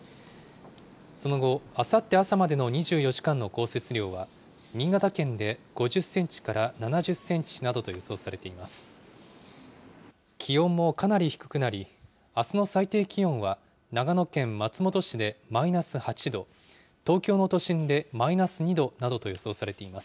その後、あさって朝までの２４時間の降雪量は、新潟県で５０センチから７０センチなどと予想されています。